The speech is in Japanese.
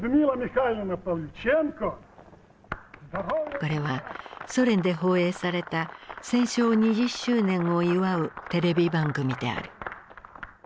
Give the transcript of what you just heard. これはソ連で放映された戦勝２０周年を祝うテレビ番組である。